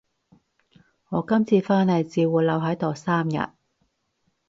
我今次返嚟只會留喺度三日